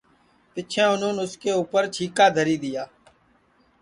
پیچھیں اُنون اُس کے اُپر چھیکا دھری دؔیا